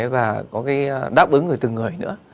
và có cái đáp ứng từ người tới người nữa